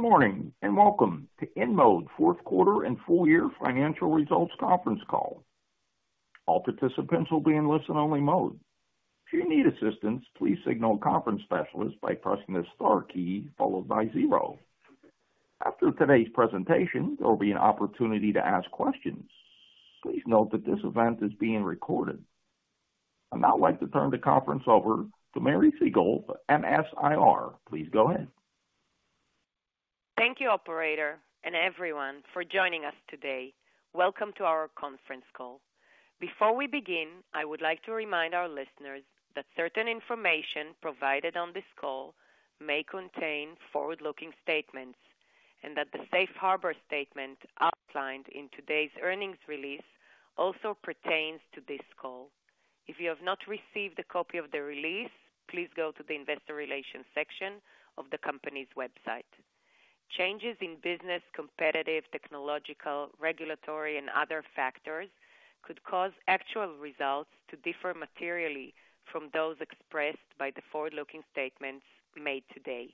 Good morning, and welcome to InMode fourth quarter and full year financial results conference call. All participants will be in listen-only mode. If you need assistance, please signal a conference specialist by pressing the star key followed by zero. After today's presentation, there will be an opportunity to ask questions. Please note that this event is being recorded. I'd now like to turn the conference over to Miri Segal for MS-IR. Please go ahead. Thank you, operator, and everyone for joining us today. Welcome to our conference call. Before we begin, I would like to remind our listeners that certain information provided on this call may contain forward-looking statements, and that the safe harbor statement outlined in today's earnings release also pertains to this call. If you have not received a copy of the release, please go to the investor relations section of the company's website. Changes in business, competitive, technological, regulatory and other factors could cause actual results to differ materially from those expressed by the forward-looking statements made today.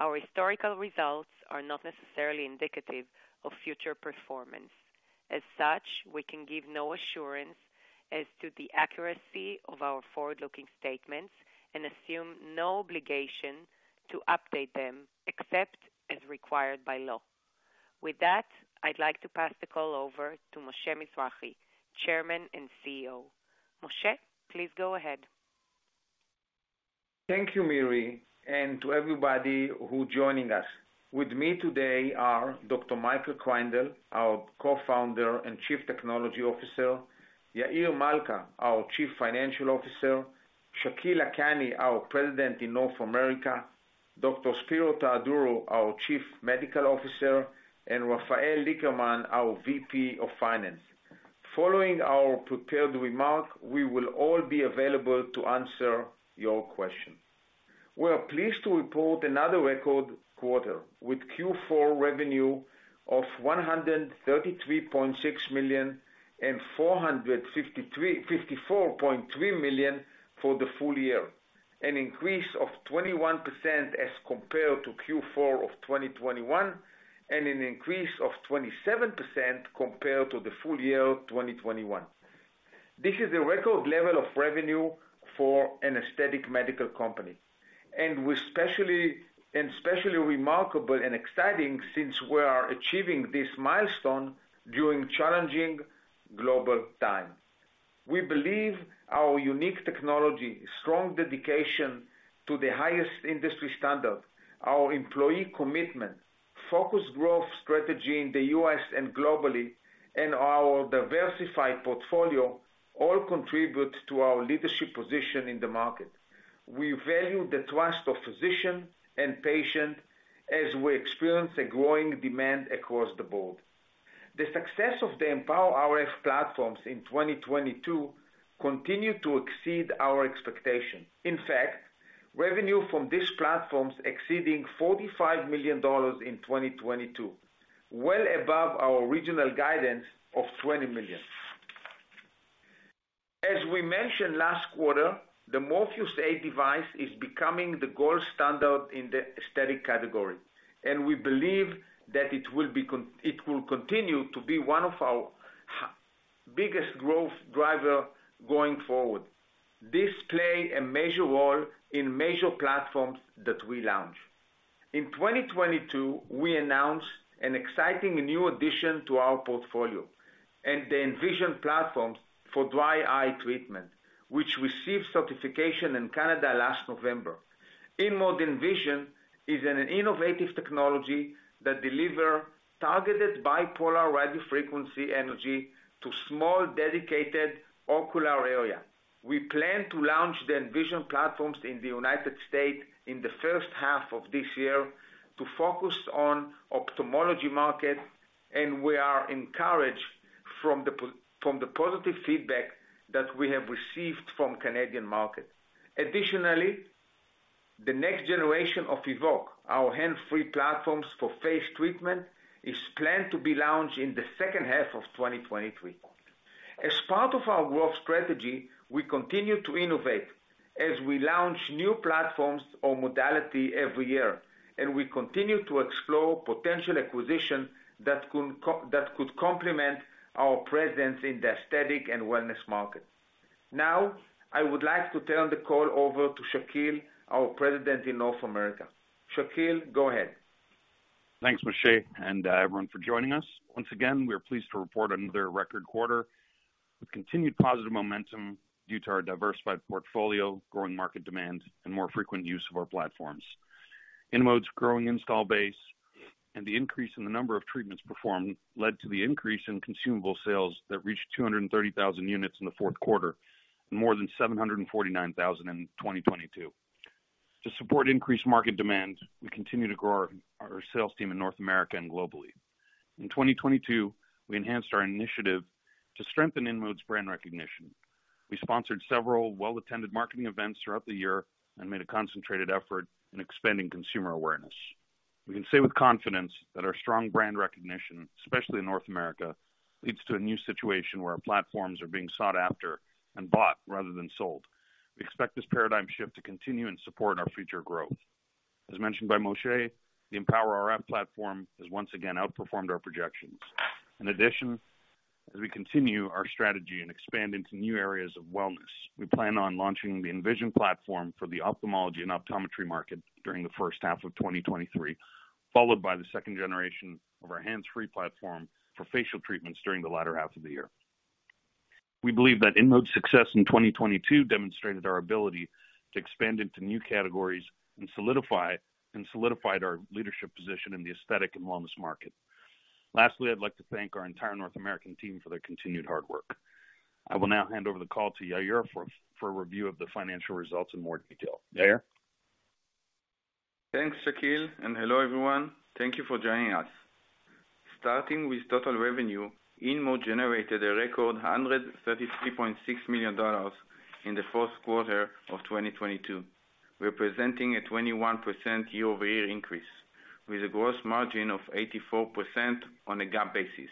Our historical results are not necessarily indicative of future performance. As such, we can give no assurance as to the accuracy of our forward-looking statements and assume no obligation to update them except as required by law. With that, I'd like to pass the call over to Moshe Mizrahy, Chairman and CEO. Moshe, please go ahead. Thank you, Miri, and to everybody who's joining us. With me today are Dr. Michael Kreindel, our Co-Founder and Chief Technology Officer, Yair Malca, our Chief Financial Officer, Shakil Lakhani, our President in North America, Dr. Spero Theodorou, our Chief Medical Officer, and Rafael Lickerman, our VP of Finance. Following our prepared remark, we will all be available to answer your question. We are pleased to report another record quarter with Q4 revenue of $133.6 million, and $454.3 million for the full year. Increase of 21% as compared to Q4 of 2021, and an increase of 27% compared to the full year of 2021. This is a record level of revenue for an aesthetic medical company, and especially remarkable and exciting since we are achieving this milestone during challenging global time. We believe our unique technology, strong dedication to the highest industry standard, our employee commitment, focused growth strategy in the U.S. and globally, and our diversified portfolio all contribute to our leadership position in the market. We value the trust of physician and patient as we experience a growing demand across the board. The success of the EmpowerRF platforms in 2022 continued to exceed our expectation. In fact, revenue from these platforms exceeding $45 million in 2022, well above our original guidance of $20 million. As we mentioned last quarter, the Morpheus8 device is becoming the gold standard in the aesthetic category, and we believe that it will continue to be one of our biggest growth driver going forward. This play a major role in major platforms that we launch. In 2022, we announced an exciting new addition to our portfolio, the Envision platforms for dry eye treatment, which received certification in Canada last November. InMode Envision is an innovative technology that deliver targeted bipolar radiofrequency energy to small dedicated ocular area. We plan to launch the Envision platforms in the U.S. in the first half of this year to focus on ophthalmology market, we are encouraged from the positive feedback that we have received from Canadian market. Additionally, the next generation of Evoke, our hands-free platforms for face treatment, is planned to be launched in the second half of 2023. As part of our growth strategy, we continue to innovate as we launch new platforms or modality every year, we continue to explore potential acquisition that could complement our presence in the aesthetic and wellness market. I would like to turn the call over to Shakil, our President in North America. Shakil, go ahead. Thanks, Moshe, and everyone for joining us. Once again, we are pleased to report another record quarter with continued positive momentum due to our diversified portfolio, growing market demand, and more frequent use of our platforms. InMode's growing install base and the increase in the number of treatments performed led to the increase in consumable sales that reached 230,000 units in the fourth quarter, and more than 749,000 in 2022. To support increased market demand, we continue to grow our sales team in North America and globally. In 2022, we enhanced our initiative to strengthen InMode's brand recognition. We sponsored several well-attended marketing events throughout the year and made a concentrated effort in expanding consumer awareness. We can say with confidence that our strong brand recognition, especially in North America, leads to a new situation where our platforms are being sought after and bought rather than sold. We expect this paradigm shift to continue and support our future growth. As mentioned by Moshe, the EmpowerRF platform has once again outperformed our projections. We continue our strategy and expand into new areas of wellness, we plan on launching the Envision platform for the ophthalmology and optometry market during the first half of 2023, followed by the second generation of our hands-free platform for facial treatments during the latter half of the year. We believe that InMode's success in 2022 demonstrated our ability to expand into new categories and consolidated our leadership position in the aesthetic and wellness market. Lastly, I'd like to thank our entire North American team for their continued hard work. I will now hand over the call to Yair for a review of the financial results in more detail. Yair. Thanks, Shakil. Hello, everyone. Thank you for joining us. Starting with total revenue, InMode generated a record $133.6 million in the fourth quarter of 2022, representing a 21% year-over-year increase with a gross margin of 84% on a GAAP basis.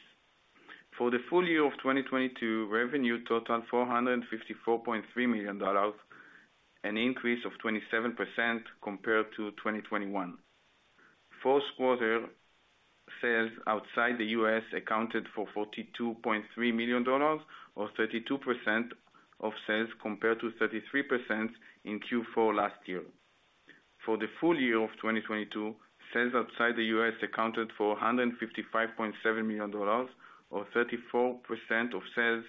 For the full year of 2022, revenue totaled $454.3 million, an increase of 27% compared to 2021. Fourth quarter sales outside the U.S. accounted for $42.3 million or 32% of sales, compared to 33% in Q4 last year. For the full year of 2022, sales outside the U.S. accounted for $155.7 million, or 34% of sales,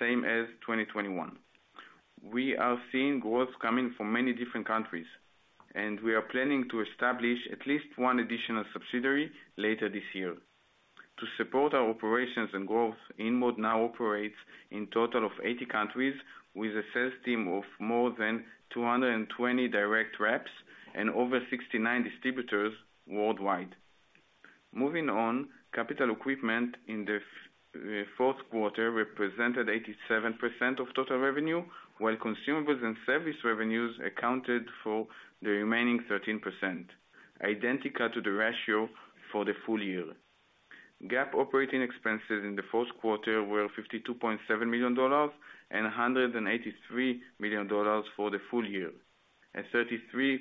same as 2021. We are seeing growth coming from many different countries. We are planning to establish at least one additional subsidiary later this year. To support our operations and growth, InMode now operates in total of 80 countries with a sales team of more than 220 direct reps and over 69 distributors worldwide. Moving on. Capital equipment in the fourth quarter represented 87% of total revenue, while consumables and service revenues accounted for the remaining 13%, identical to the ratio for the full year. GAAP operating expenses in the fourth quarter were $52.7 million and $183 million for the full year, a 33%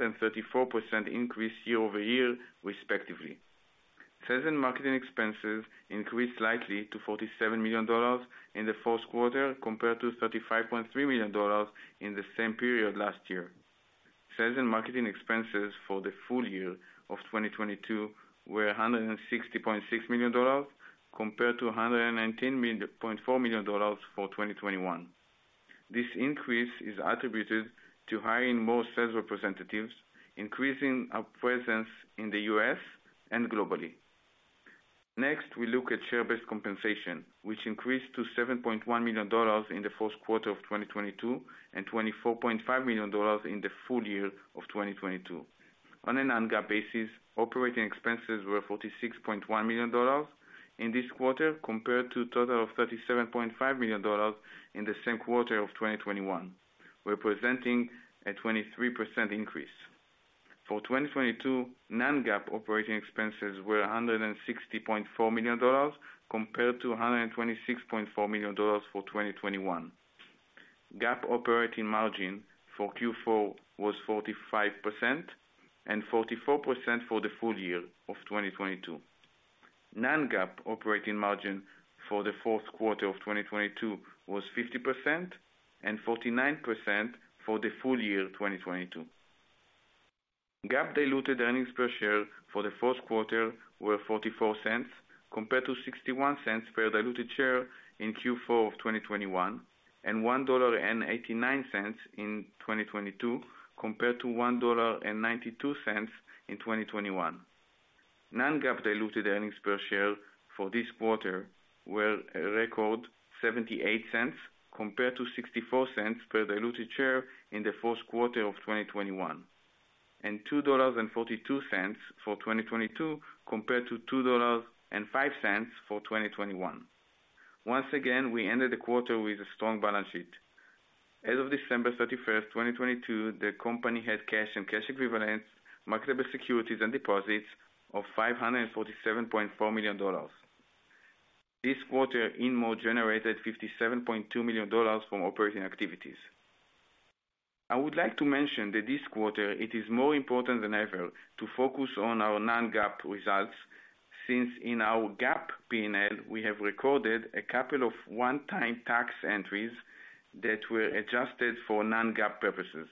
and 34% increase year-over-year, respectively. Sales and marketing expenses increased slightly to $47 million in the fourth quarter, compared to $35.3 million in the same period last year. Sales and marketing expenses for the full year of 2022 were $160.6 million compared to $119 million- $4 million for 2021. This increase is attributed to hiring more sales representatives, increasing our presence in the U.S. and globally. Next, we look at share-based compensation, which increased to $7.1 million in the fourth quarter of 2022, and $24.5 million in the full year of 2022. On a non-GAAP basis, operating expenses were $46.1 million in this quarter compared to a total of $37.5 million in the same quarter of 2021, representing a 23% increase. For 2022, non-GAAP operating expenses were $160.4 million compared to $126.4 million for 2021. GAAP operating margin for Q4 was 45% and 44% for the full year of 2022. Non-GAAP operating margin for the fourth quarter of 2022 was 50% and 49% for the full year 2022. GAAP diluted earnings per share for the fourth quarter were $0.44 compared to $0.61 per diluted share in Q4 of 2021, and $1.89 in 2022 compared to $1.92 in 2021. Non-GAAP diluted earnings per share for this quarter were a record $0.78 compared to $0.64 per diluted share in the fourth quarter of 2021, and $2.42 for 2022 compared to $2.05 for 2021. Once again, we ended the quarter with a strong balance sheet. As of December 31, 2022, the company had cash and cash equivalents, marketable securities and deposits of $547.4 million. This quarter, InMode generated $57.2 million from operating activities. I would like to mention that this quarter it is more important than ever to focus on our non-GAAP results, since in our GAAP P&L, we have recorded a couple of one-time tax entries that were adjusted for non-GAAP purposes.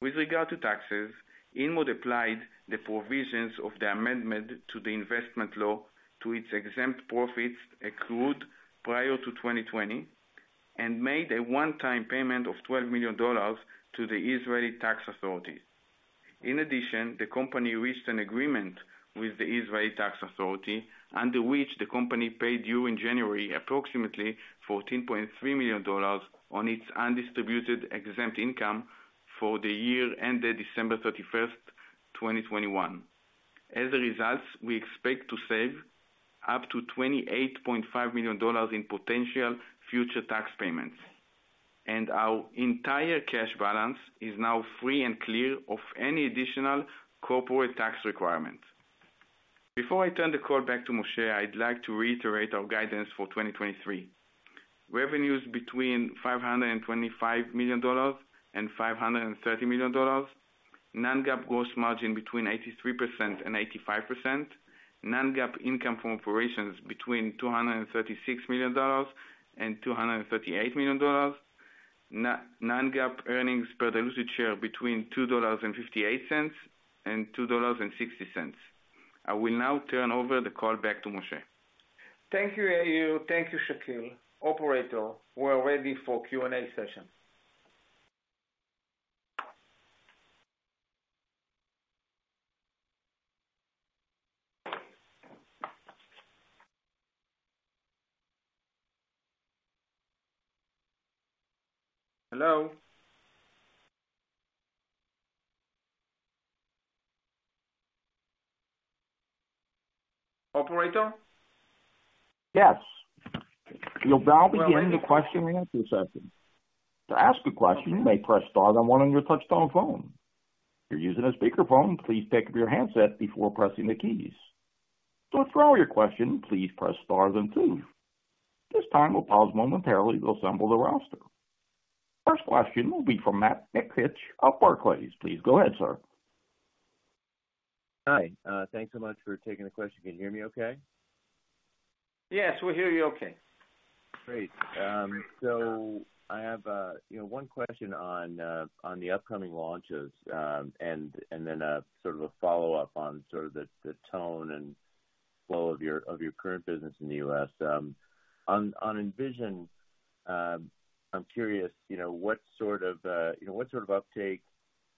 With regard to taxes, InMode applied the provisions of the amendment to the investment law to its exempt profits accrued prior to 2020, and made a one-time payment of $12 million to the Israeli Tax Authority. In addition, the company reached an agreement with the Israeli Tax Authority, under which the company paid during January approximately $14.3 million on its undistributed exempt income for the year ended 31st, December 2021. As a result, we expect to save up to $28.5 million in potential future tax payments, and our entire cash balance is now free and clear of any additional corporate tax requirements. Before I turn the call back to Moshe, I'd like to reiterate our guidance for 2023. Revenues between $525 million and $530 million. Non-GAAP gross margin between 83% and 85%. Non-GAAP income from operations between $236 million and $238 million. Non-GAAP earnings per diluted share between $2.58 and $2.60. I will now turn over the call back to Moshe. Thank you, Yair. Thank you, Shakil. Operator, we're ready for Q&A session. Hello? Operator? Yes. We'll now begin the question and answer session. To ask a question, you may press star then one on your touchtone phone. If you're using a speakerphone, please pick up your handset before pressing the keys. To withdraw your question, please press star then two. At this time, we'll pause momentarily to assemble the roster. First question will be from Matt Miksic of Barclays. Please go ahead, sir. Hi. Thanks so much for taking the question. Can you hear me okay? Yes, we hear you okay. Great. I have, you know, one question on the upcoming launches, then a sort of a follow-up on sort of the tone and flow of your current business in the U.S. On Envision, I'm curious, what sort of, what sort of uptake,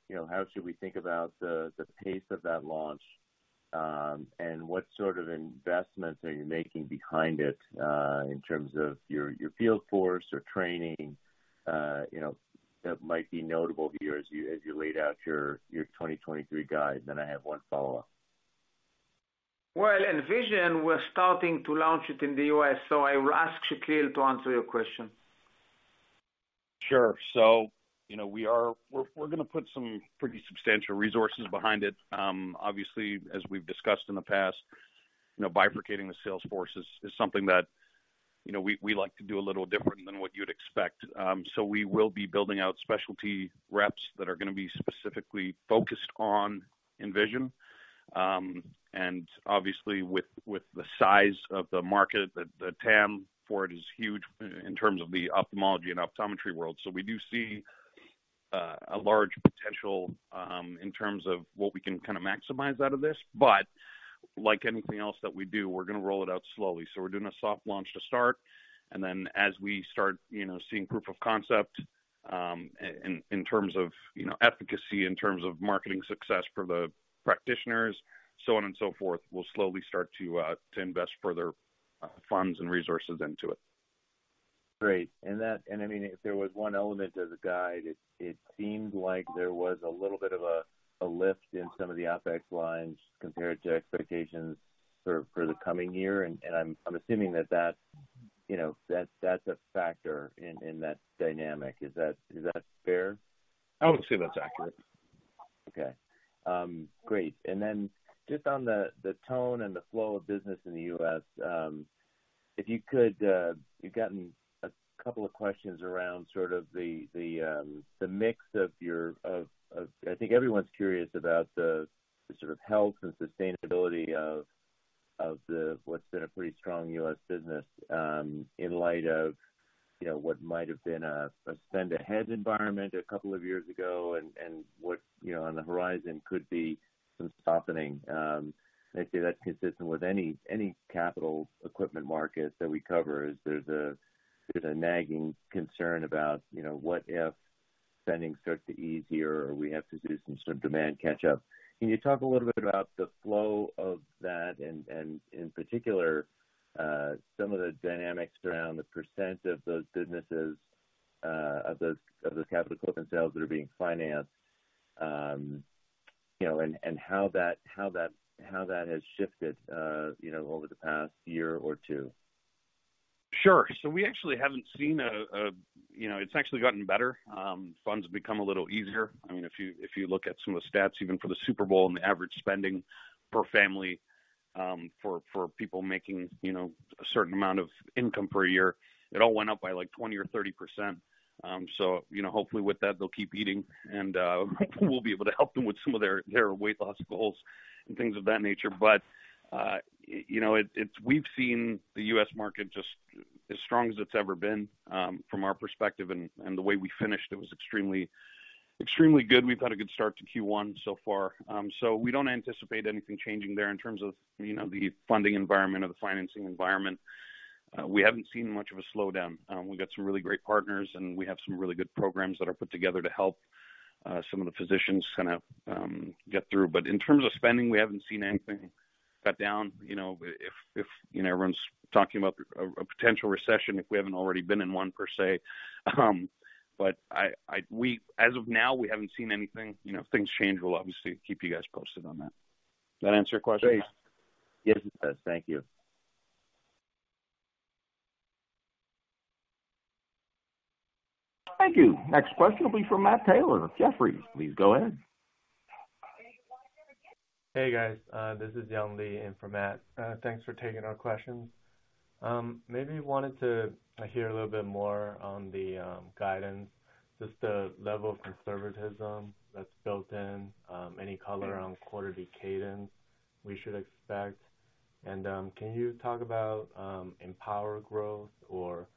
you know, how should we think about the pace of that launch, and what sort of investments are you making behind it in terms of your field force or training, that might be notable here as you laid out your 2023 guide? I have one follow-up. Well, Envision, we're starting to launch it in the U.S., so I will ask Shakil to answer your question. Sure. You know, we're gonna put some pretty substantial resources behind it. Obviously, as we've discussed in the past, ow, bifurcating the sales force is something that, we like to do a little different than what you'd expect. We will be building out specialty reps that are gonna be specifically focused on Envision. Obviously with the size of the market, the TAM for it is huge in terms of the ophthalmology and optometry world. We do see a large potential in terms of what we can kind of maximize out of this. Like anything else that we do, we're gonna roll it out slowly. We're doing a soft launch to start, and then as we start, seeing proof of concept, in terms of, efficacy, in terms of marketing success for the practitioners, so on and so forth, we'll slowly start to invest further funds and resources into it. Great. I mean, if there was one element as a guide, it seemed like there was a little bit of a lift in some of the OpEx lines compared to expectations for the coming year. I'm assuming that's, a factor in that dynamic. Is that fair? I would say that's accurate. Okay. great. Just on the tone and the flow of business in the U.S., if you could, we've gotten a couple of questions around sort of the mix of your I think everyone's curious about the sort of health and sustainability of the what's been a pretty strong U.S. business, in light of,, what might have been a spend-ahead environment a couple of years ago and what, you know, on the horizon could be some softening. I'd say that's consistent with any capital equipment market that we cover, is there's a nagging concern about, what if spending starts to ease here or we have to do some sort of demand catch-up. Can you talk a little bit about the flow of that and in particular, some of the dynamics around the percentage of those businesses, of those capital equipment sales that are being financed, and how that has shifted, you know, over the past year or two? Sure. We actually haven't seen. You know, it's actually gotten better. Funds have become a little easier. I mean, if you, if you look at some of the stats, even for the Super Bowl and the average spending per family, for people making, a certain amount of income per year, it all went up by like 20% or 30%. You know, hopefully with that, they'll keep eating and we'll be able to help them with some of their weight loss goals and things of that nature. You know, we've seen the U.S. market just as strong as it's ever been from our perspective. The way we finished it was extremely good. We've had a good start to Q1 so far. We don't anticipate anything changing there in terms of, you know, the funding environment or the financing environment. We haven't seen much of a slowdown. We've got some really great partners, and we have some really good programs that are put together to help some of the physicians kind of get through. In terms of spending, we haven't seen anything cut down. You know, if, everyone's talking about a potential recession, if we haven't already been in one per se. As of now, we haven't seen anything. You know, if things change, we'll obviously keep you guys posted on that. Does that answer your question, Matt? Great. Yes, it does. Thank you. Thank you. Next question will be from Matt Taylor of Jefferies. Please go ahead. Hey guys, this is Jon Lee in for Matt. Thanks for taking our questions. Maybe wanted to hear a little bit more on the guidance, just the level of conservatism that's built in, any color on quarterly cadence we should expect. Can you talk about EmpowerRF growth or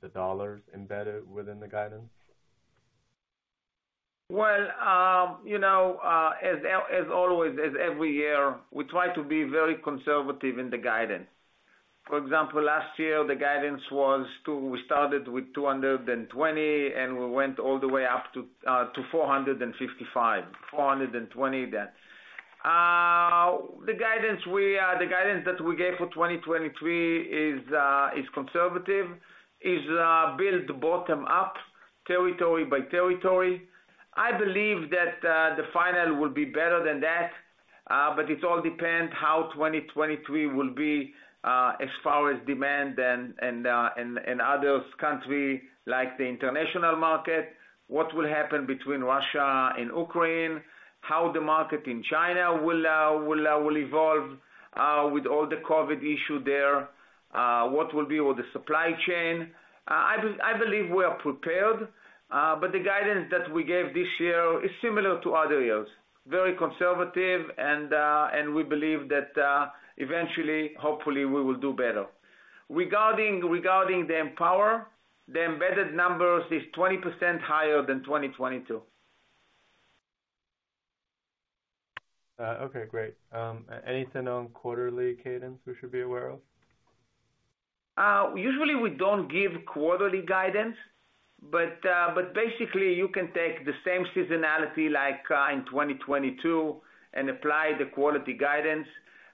the dollars embedded within the guidance? Well, you know, as always, as every year, we try to be very conservative in the guidance. For example, last year the guidance was $2. We started with $220, we went all the way up to $455, $420 then. The guidance that we gave for 2023 is conservative. Is built bottom up, territory by territory. I believe that the final will be better than that, it all depend how 2023 will be as far as demand and other country like the international market, what will happen between Russia and Ukraine, how the market in China will evolve with all the COVID issue there, what will be all the supply chain. I believe we are prepared, but the guidance that we gave this year is similar to other years, very conservative and we believe that, eventually, hopefully we will do better. Regarding the EmpowerRF, the embedded numbers is 20% higher than 2022. Okay, great. Anything on quarterly cadence we should be aware of? Usually we don't give quarterly guidance, but basically you can take the same seasonality like, in 2022 and apply the quality guidance.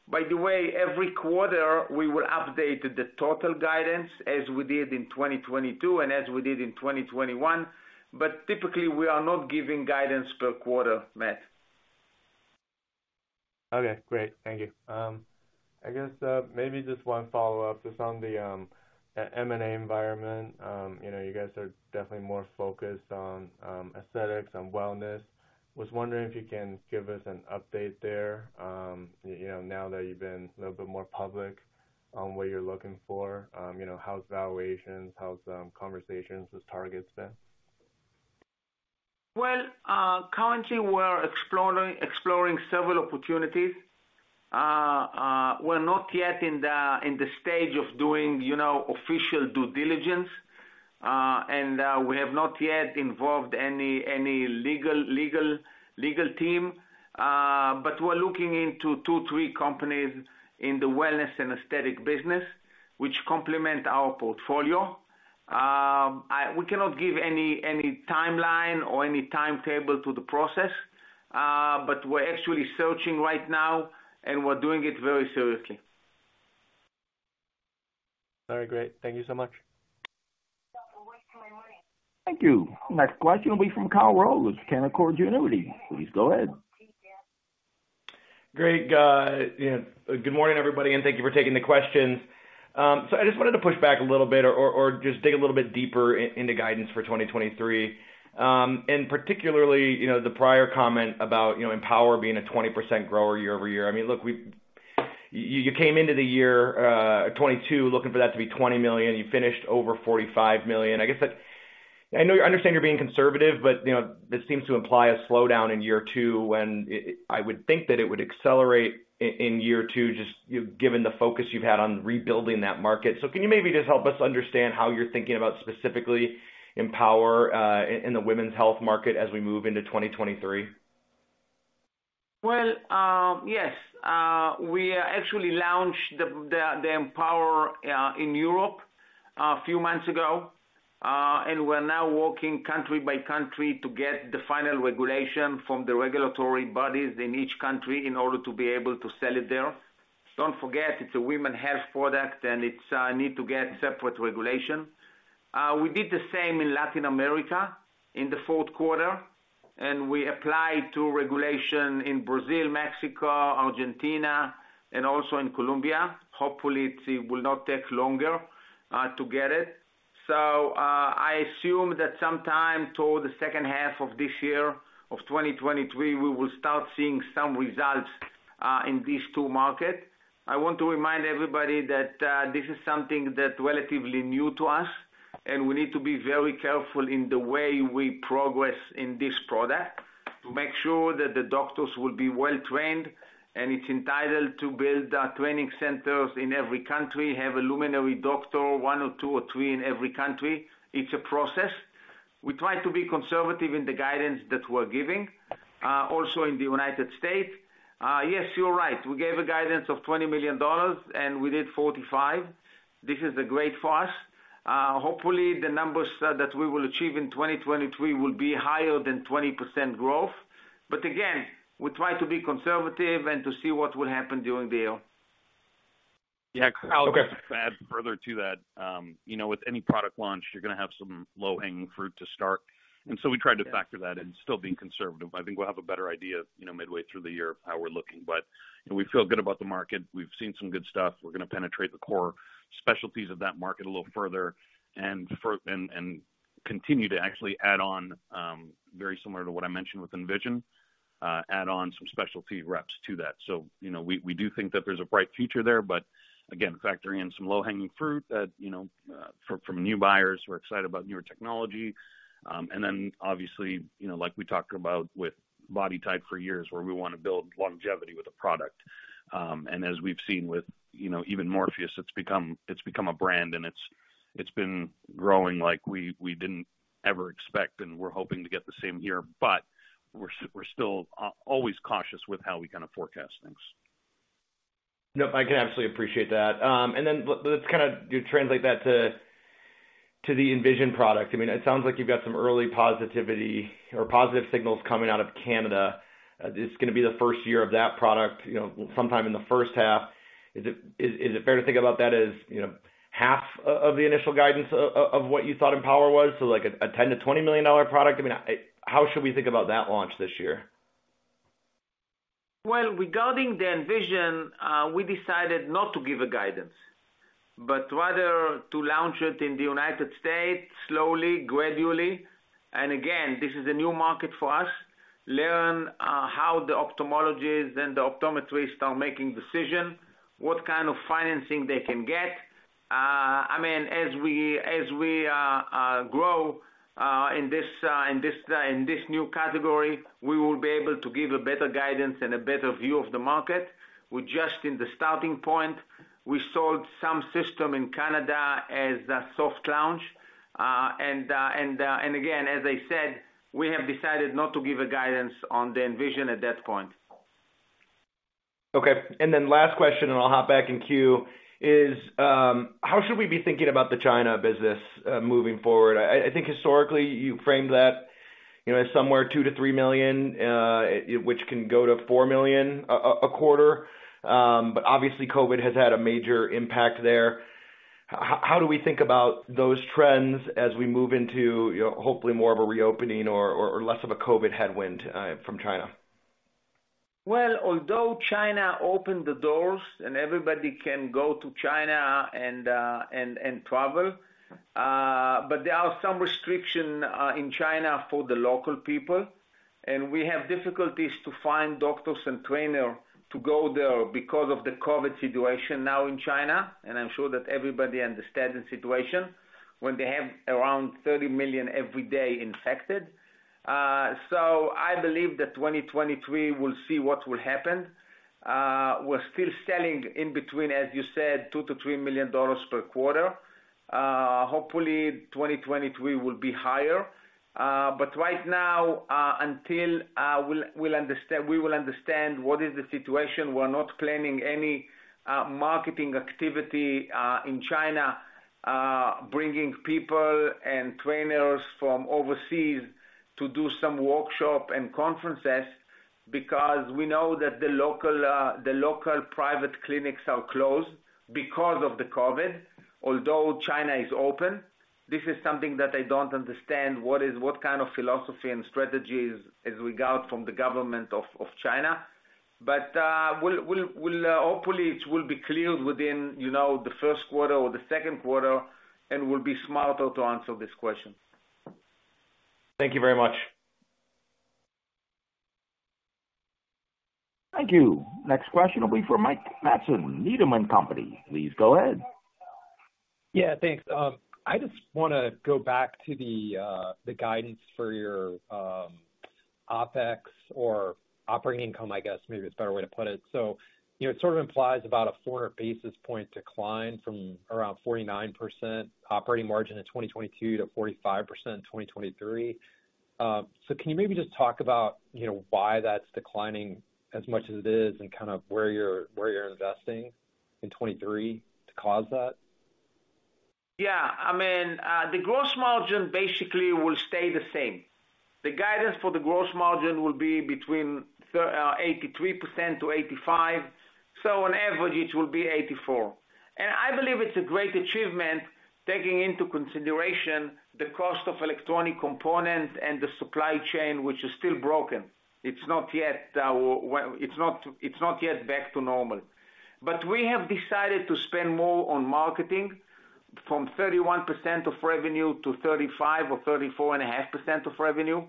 By the way, every quarter we will update the total guidance as we did in 2022 and as we did in 2021. Typically we are not giving guidance per quarter, Matt. Okay, great. Thank you. I guess, maybe just one follow-up just on the M&A environment. You know, you guys are definitely more focused on aesthetics and wellness. Was wondering if you can give us an update there, now that you've been a little bit more public on what you're looking for. You know, how's valuations, how's conversations with targets been? Well, currently we're exploring several opportunities. We're not yet in the stage of doing, official due diligence. We have not yet involved any legal team. We're looking into two, three companies in the wellness and aesthetic business, which complement our portfolio. We cannot give any timeline or any timetable to the process, but we're actually searching right now, and we're doing it very seriously. Very great. Thank you so much. Thank you. Next question will be from Kyle Rose with Canaccord Genuity. Please go ahead. Great. you know, good morning, everybody, and thank you for taking the questions. I just wanted to push back a little bit or just dig a little bit deeper into guidance for 2023. Particularly the prior comment about, you know, EmpowerRF being a 20% grower year-over-year. I mean, look, you came into the year, 2022 looking for that to be $20 million. You finished over $45 million. I guess that I know, I understand you're being conservative, but, you know, this seems to imply a slowdown in year two when I would think that it would accelerate in year two, just, given the focus you've had on rebuilding that market. Can you maybe just help us understand how you're thinking about specifically EmpowerRF, in the women's health market as we move into 2023? Yes. We actually launched the EmpowerRF in Europe a few months ago. We're now working country by country to get the final regulation from the regulatory bodies in each country in order to be able to sell it there. Don't forget it's a women health product and it's need to get separate regulation. We did the same in Latin America in the fourth quarter, and we applied to regulation in Brazil, Mexico, Argentina, and also in Colombia. Hopefully, it will not take longer to get it. I assume that sometime toward the second half of this year of 2023, we will start seeing some results in these two markets. I want to remind everybody that, this is something that relatively new to us, and we need to be very careful in the way we progress in this product to make sure that the doctors will be well trained, and it's entitled to build training centers in every country, have a luminary doctor, one or two or three in every country. It's a process. We try to be conservative in the guidance that we're giving, also in the U.S.. Yes, you're right. We gave a guidance of $20 million, and we did $45. This is great for us. Hopefully, the numbers that we will achieve in 2023 will be higher than 20% growth. Again, we try to be conservative and to see what will happen during the year. Yeah. Okay.To add further to that, with any product launch, you're gonna have some low-hanging fruit to start. We tried to factor that in still being conservative. I think we'll have a better idea, you know, midway through the year how we're looking. You know, we feel good about the market. We've seen some good stuff. We're gonna penetrate the core specialties of that market a little further and continue to actually add on, very similar to what I mentioned with Envision, add on some specialty reps to that. You know, we do think that there's a bright future there, but again, factoring in some low-hanging fruit that, you know, from new buyers who are excited about newer technology. Obviously, you know, like we talked about with BodyTite for years, where we wanna build longevity with a product. As we've seen with, you know, even Morpheus, it's become a brand and it's been growing like we didn't ever expect, and we're hoping to get the same here. We're still always cautious with how we kind of forecast things. Yep, I can absolutely appreciate that. Let's kinda translate that to the Envision product. I mean, it sounds like you've got some early positivity or positive signals coming out of Canada. It's gonna be the first year of that product, you know, sometime in the first half. Is it fair to think about that as, you know, half of the initial guidance of what you thought EmpowerRF was? Like a $10 million-$20 million product. I mean, how should we think about that launch this year? Well, regarding the Envision, we decided not to give a guidance, but rather to launch it in the U.S. slowly, gradually. Again, this is a new market for us. Learn how the ophthalmologists and the optometrists are making decision, what kind of financing they can get. I mean, as we grow in this new category, we will be able to give a better guidance and a better view of the market. We're just in the starting point. We sold some system in Canada as a soft launch. And again, as I said, we have decided not to give a guidance on the Envision at that point. Okay. Last question, and I'll hop back in queue is, how should we be thinking about the China business moving forward? I think historically you framed that, you know, as somewhere $2 million-$3 million, which can go to $4 million a quarter. Obviously COVID has had a major impact there. How do we think about those trends as we move into, you know, hopefully more of a reopening or less of a COVID headwind from China? Well, although China opened the doors and everybody can go to China and travel, but there are some restrictions in China for the local people, and we have difficulties to find doctors and trainer to go there because of the COVID situation now in China. I'm sure that everybody understands the situation when they have around 30 million every day infected. I believe that 2023 will see what will happen. We're still selling in between, as you said, $2 million-$3 million per quarter. Hopefully 2023 will be higher. Right now, until we will understand what is the situation, we're not planning any marketing activity in China, bringing people and trainers from overseas to do some workshop and conferences, because we know that the local private clinics are closed because of the COVID. China is open, this is something that I don't understand what kind of philosophy and strategy is regard from the government of China. We'll, we'll, hopefully it will be cleared within, you know, the first quarter or the second quarter, and we'll be smarter to answer this question. Thank you very much. Thank you. Next question will be from Mike Matson, Needham & Company. Please go ahead. Yeah, thanks. I just wanna go back to the guidance for your OpEx or operating income, I guess maybe it's a better way to put it. You know, it sort of implies about a 4 basis point decline from around 49% operating margin in 2022 to 45% in 2023. Can you maybe just talk about, you know, why that's declining as much as it is and kind of where you're investing in 2023 to cause that? I mean, the gross margin basically will stay the same. The guidance for the gross margin will be between 83%- 85%. On average, it will be 84%. I believe it's a great achievement, taking into consideration the cost of electronic components and the supply chain, which is still broken. It's not yet, well, it's not yet back to normal. We have decided to spend more on marketing from 31% of revenue to 35% or 34.5% of revenue.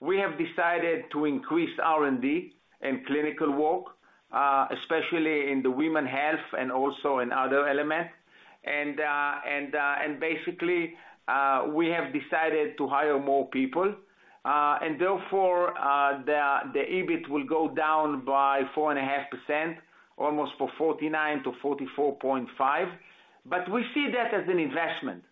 We have decided to increase R&D and clinical work, especially in the women health and also in other elements. Basically, we have decided to hire more people, and therefore, the EBIT will go down by 4.5%, almost for 49%-44.5%. We see that as an investment.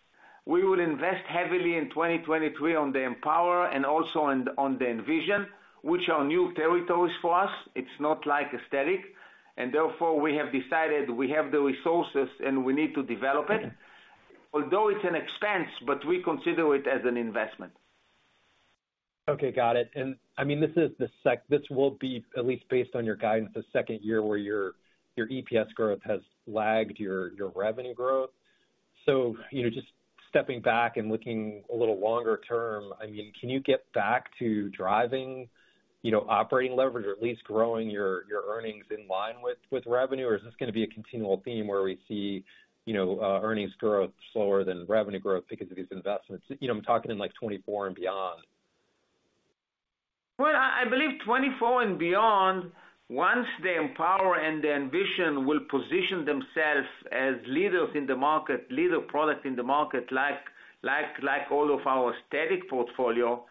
We will invest heavily in 2023 on the EmpowerRF and also on the Envision, which are new territories for us. It's not like aesthetic, therefore we have decided we have the resources and we need to develop it. Although it's an expense, but we consider it as an investment. Okay, got it. I mean, this will be at least based on your guidance, the second year where your EPS growth has lagged your revenue growth. You know, just stepping back and looking a little longer term, I mean, can you get back to driving, you know, operating leverage or at least growing your earnings in line with revenue? Is this gonna be a continual theme where we see, you know, earnings growth slower than revenue growth because of these investments? You know, I'm talking in like 2024 and beyond. Well, I believe 2024 and beyond, once the EmpowerRF and the Envision will position themselves as leaders in the market, leader product in the market like all of our static portfolio,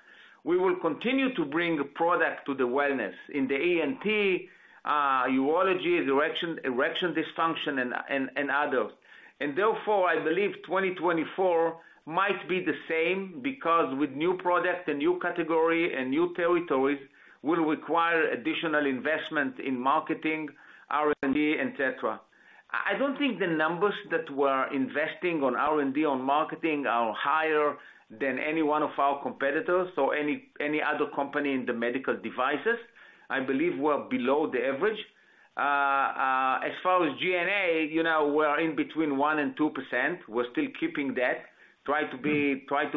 we will continue to bring product to the wellness in the ENT, urology, erection dysfunction and others. Therefore, I believe 2024 might be the same, because with new product and new category and new territories will require additional investment in marketing, R&D, et cetera. I don't think the numbers that we're investing on R&D on marketing are higher than any one of our competitors or any other company in the medical devices. I believe we're below the average. As far as G&A, you know, we're in between 1% and 2%. We're still keeping that. Try to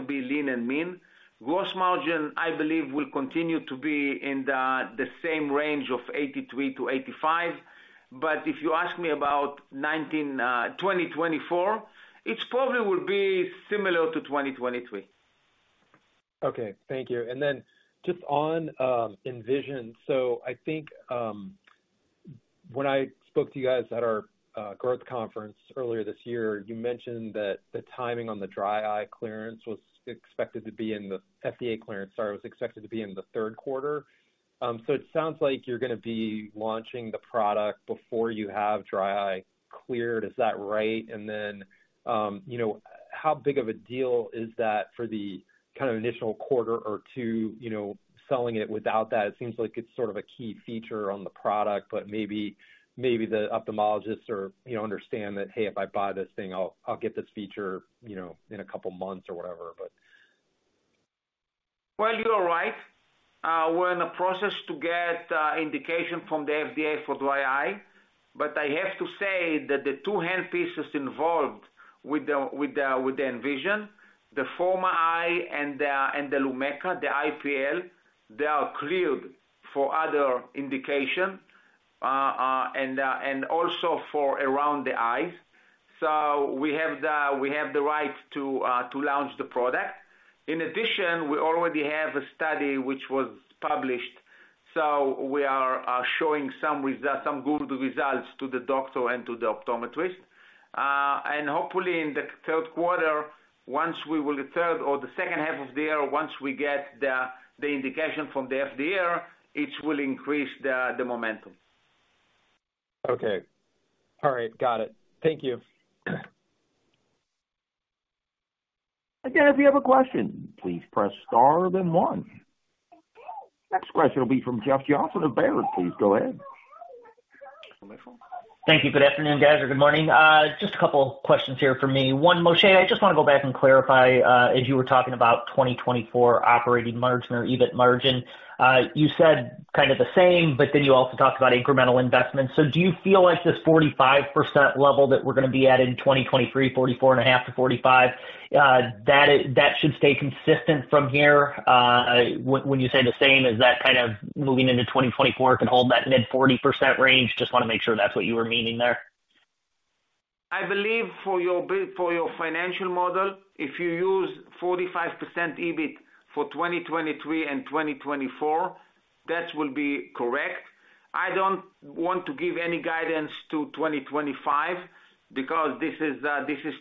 be lean and mean. Gross margin, I believe, will continue to be in the same range of 83%-85%. If you ask me about 2024, it probably will be similar to 2023. Okay. Thank you. Just on Envision. I think when I spoke to you guys at our growth conference earlier this year, you mentioned that the timing on the dry eye clearance was expected to be in the FDA clearance, sorry, was expected to be in the third quarter. It sounds like you're gonna be launching the product before you have dry eye cleared. Is that right? How big of a deal is that for the kind of initial quarter or two, you know, selling it without that? It seems like it's sort of a key feature on the product, but maybe the ophthalmologists or, you know, understand that, hey, if I buy this thing, I'll get this feature, you know, in a couple of months or whatever, but. Well, you are right. We're in a process to get indication from the FDA for dry eye. I have to say that the two hand pieces involved with the Envision, the Forma-I and the Lumecca, the IPL, they are cleared for other indication and also for around the eyes. We have the right to launch the product. In addition, we already have a study which was published, so we are showing some results, some good results to the doctor and to the optometrist. Hopefully in the third quarter, the third or the second half of the year, once we get the indication from the FDA, it will increase the momentum. Okay. All right. Got it. Thank you. Again, if you have a question, please press star, then one. Next question will be from Jeff Johnson of Baird. Please go ahead. Thank you. Good afternoon, guys, or good morning. Just a couple of questions here for me. One, Moshe, I just want to go back and clarify, as you were talking about 2024 operating margin or EBIT margin, you said kind of the same, but then you also talked about incremental investments. Do you feel like this 45% level that we're gonna be at in 2023, 44.5%-45%, that should stay consistent from here? When you say the same, is that kind of moving into 2024 can hold that mid 40% range? Just wanna make sure that's what you were meaning there. I believe for your financial model, if you use 45% EBIT for 2023 and 2024, that will be correct. I don't want to give any guidance to 2025 because this is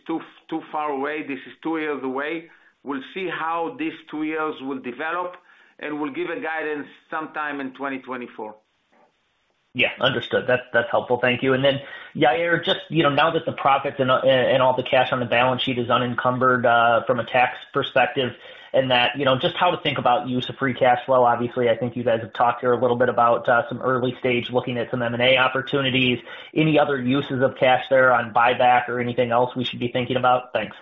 too far away. This is two years away. We'll see how these two years will develop, and we'll give a guidance sometime in 2024. Yeah, understood. That's helpful. Thank you. Yair, just, you know, now that the profits and all the cash on the balance sheet is unencumbered from a tax perspective and that, you know, just how to think about use of free cash flow. Obviously, I think you guys have talked here a little bit about some early stage looking at some M&A opportunities. Any other uses of cash there on buyback or anything else we should be thinking about? Thanks.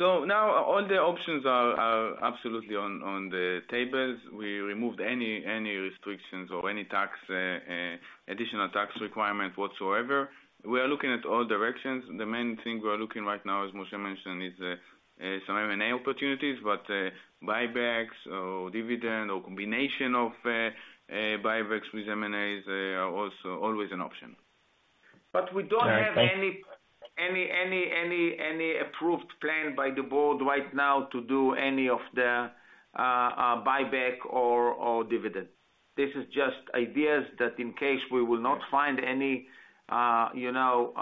Now all the options are absolutely on the tables. We removed any restrictions or any tax additional tax requirement whatsoever. We are looking at all directions. The main thing we are looking right now, as Moshe Mizrahy mentioned, is some M&A opportunities, but buybacks or dividend or combination of buybacks with M&A is also always an option. We don't have. All right. Thanks. Any approved plan by the board right now to do any of the buyback or dividend. This is just ideas that in case we will not find any, you know,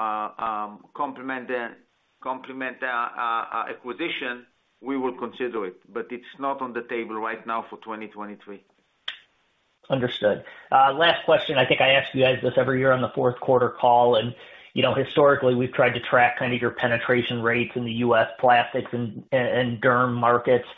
complement the acquisition, we will consider it, but it's not on the table right now for 2023. Understood. Last question. I think I ask you guys this every year on the fourth quarter call, you know, historically, we've tried to track kind of your penetration rates in the U.S. plastics and derm markets,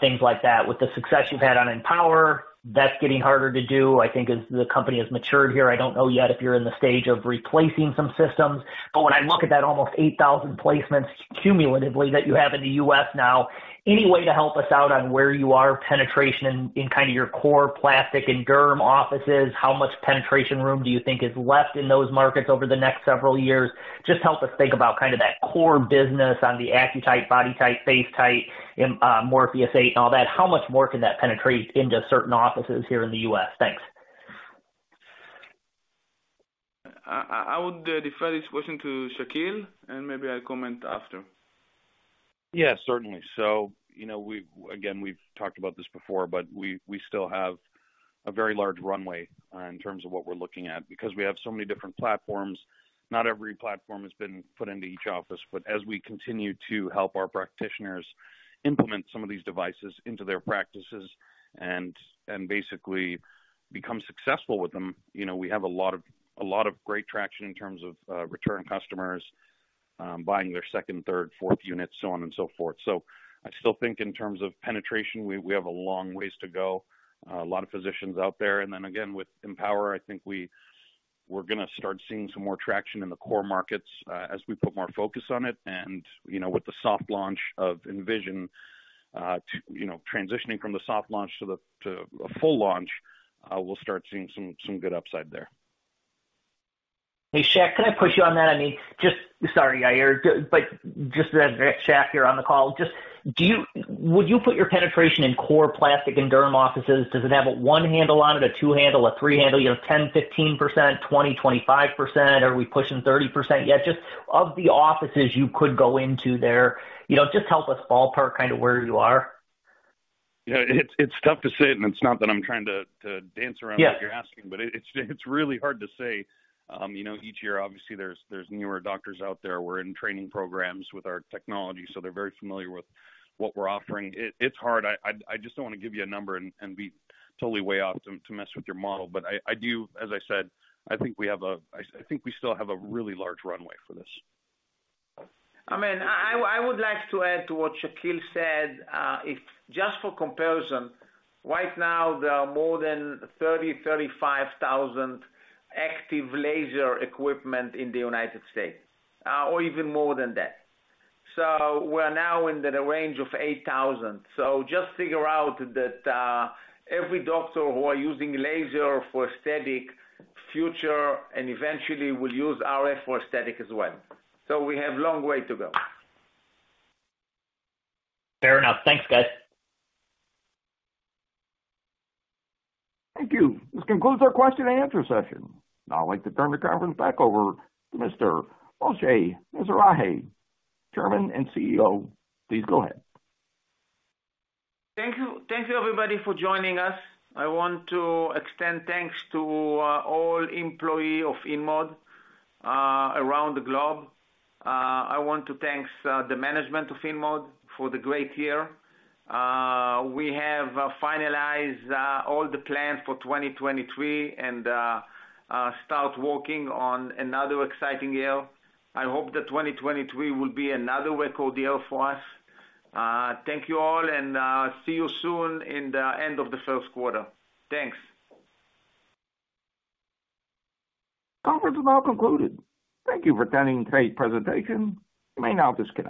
things like that. With the success you've had on EmpowerRF, that's getting harder to do. I think as the company has matured here, I don't know yet if you're in the stage of replacing some systems. When I look at that almost 8,000 placements cumulatively that you have in the U.S. now, any way to help us out on where you are penetration in kind of your core plastic and derm offices, how much penetration room do you think is left in those markets over the next several years? Just help us think about kind of that core business on the AccuTite, BodyTite, FaceTite, Morpheus8 and all that. How much more can that penetrate into certain offices here in the U.S.? Thanks. I would defer this question to Shakil, and maybe I'll comment after. Yeah, certainly. You know, again, we've talked about this before, but we still have a very large runway in terms of what we're looking at. Because we have so many different platforms, not every platform has been put into each office. As we continue to help our practitioners implement some of these devices into their practices and basically become successful with them, you know, we have a lot of, a lot of great traction in terms of return customers, buying their 2nd, 3rd, 4th unit, so on and so forth. I still think in terms of penetration, we have a long ways to go, a lot of physicians out there. Again, with EmpowerRF, I think we're gonna start seeing some more traction in the core markets as we put more focus on it. You know, with the soft launch of Envision, to, you know, transitioning from the soft launch to a full launch, we'll start seeing some good upside there. Hey, Shaq, can I put you on that? I mean, Sorry, Yair. As Shaq here on the call, would you put your penetration in core plastic and derm offices? Does it have a one handle on it, a two handle, a three handle, you know, 10%, 15%, 20%, 25%? Are we pushing 30% yet? Just of the offices you could go into there, you know, just help us ballpark kind of where you are. Yeah. It's tough to say, it's not that I'm trying to dance around- Yeah. what you're asking, but it's really hard to say. you know, each year, obviously there's newer doctors out there. We're in training programs with our technology, so they're very familiar with what we're offering. It's hard. I just don't want to give you a number and be totally way off to mess with your model. I do. As I said, I think we still have a really large runway for this. I mean, I would like to add to what Shakil said. If just for comparison, right now there are more than 30-35 thousand active laser equipment in the U.S., or even more than that. We're now in the range of 8,000. Just figure out that every doctor who are using laser for aesthetic future and eventually will use RF for aesthetic as well. We have long way to go. Fair enough. Thanks, guys. Thank you. This concludes our question and answer session. I'd like to turn the conference back over to Mr. Moshe Mizrahy, Chairman and CEO. Please go ahead. Thank you. Thank you, everybody, for joining us. I want to extend thanks to all employee of InMode around the globe. I want to thanks the management of InMode for the great year. We have finalized all the plans for 2023 and start working on another exciting year. I hope that 2023 will be another record year for us. Thank you all and see you soon in the end of the first quarter. Thanks. Conference is now concluded. Thank Thank you for attending today's presentation. You may now disconnect.